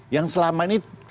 yang selama ini